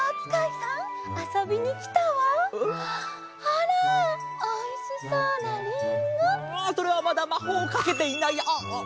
ああそれはまだまほうをかけていないあっあっ。